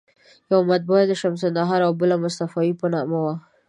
یوه مطبعه د شمس النهار او بله مصطفاوي په نامه وه.